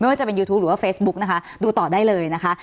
ว่าจะเป็นยูทูปหรือว่าเฟซบุ๊กนะคะดูต่อได้เลยนะคะ